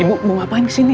ibu mau ngapain disini